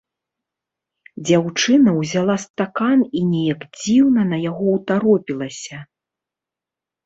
Дзяўчына ўзяла стакан і неяк дзіўна на яго ўтаропілася.